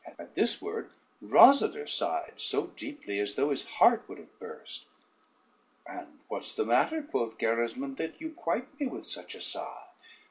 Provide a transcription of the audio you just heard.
At this word Rosader sighed so deeply, as though his heart would have burst. "And what's the matter," quoth Gerismond, "that you quite me with such a sigh?"